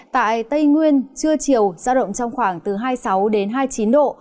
tại tây nguyên trưa chiều gió động trong khoảng hai mươi sáu hai mươi chín độ